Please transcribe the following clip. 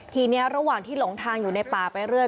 ทีนี้ระหว่างที่หลงทางอยู่ในป่าไปเรื่อย